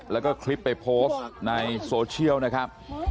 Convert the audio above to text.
แล้วก็คลิปไปโพสต์ในโซเชียลนะครับ